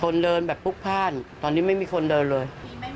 เดินแบบพลุกพ่านตอนนี้ไม่มีคนเดินเลย